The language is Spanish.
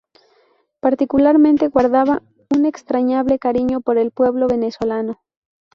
Particularmente guardaba un entrañable cariño por el pueblo venezolano.